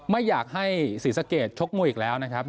ไม่อยากให้ศรีสะเกดชกมวยอีกแล้วนะครับ